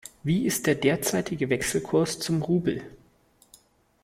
Wie ist der derzeitige Wechselkurs zum Rubel?